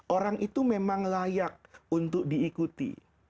orang itu memang layak untuk diikuti